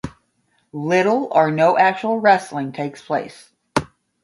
Little or no actual wrestling takes place.